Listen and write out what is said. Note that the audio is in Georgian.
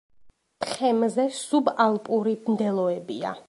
თხემზე სუბალპური მდელოებია.